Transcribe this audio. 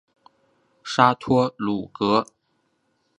沙托鲁格。